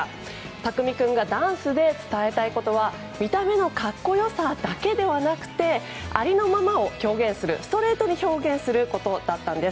ＴＡＫＵＭＩ君がダンスで伝えたいことは見た目の格好良さだけではなくてありのままをストレートに表現することだったんです。